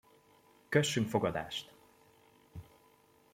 Kössünk fogadást!